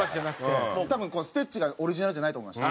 多分このステッチがオリジナルじゃないと思います。